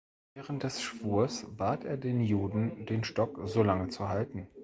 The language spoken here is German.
Während des Schwurs bat er den Juden, den Stock so lange zu halten.